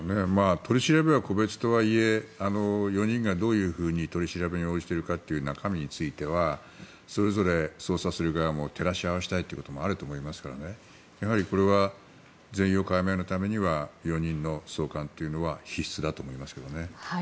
取り調べは個別とはいえ４人がどういうふうに取り調べに応じているのかという中身についてはそれぞれ捜査する側も照らし合わせたいということもあると思いますからねやはりこれは全容解明のためには４人の送還というのは必須だと思いますけどね。